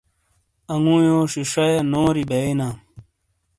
انگوییو ݜیݜا یا نوری بئینا۔